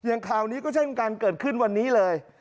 ข่าวนี้ก็เช่นกันเกิดขึ้นวันนี้เลย